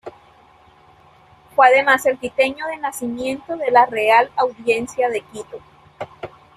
Fue además el quiteño de nacimiento en la Real Audiencia de Quito.